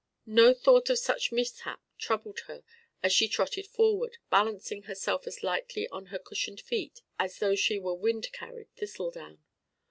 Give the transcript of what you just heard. No thought of such mishap troubled her as she trotted forward, balancing herself as lightly on her cushioned feet as though she were wind carried thistledown.